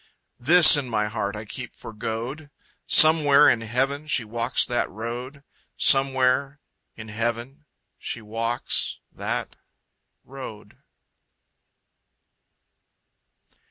This in my heart I keep for goad! Somewhere, in Heaven she walks that road. Somewhere... in Heaven... she walks... that... road....